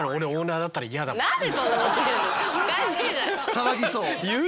騒ぎそう。